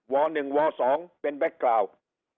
ว๑ว๒เป็นแบ็คกลาวด์